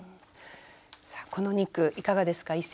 この２句いかがですか？